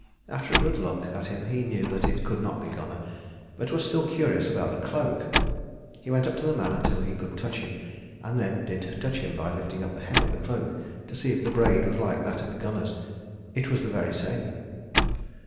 After a good look at him he knew that it could not be Gunnar, but was still curious about the cloak. He went up to the man until he could touch him, and then did touch him by lifting up the hem of the cloak to see if the braid was like that of Gunnar's. It was the very same.